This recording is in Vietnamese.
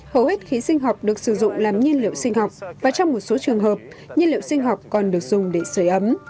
hầu hết khí sinh học được sử dụng làm nhiên liệu sinh học và trong một số trường hợp nhiên liệu sinh học còn được dùng để sửa ấm